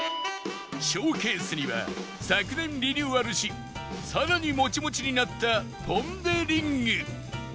ショーケースには昨年リニューアルしさらにモチモチになったポン・デ・リング